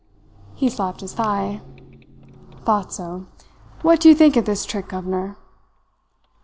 "He slapped his thigh. "'Thought so. What do you think of this trick, governor?'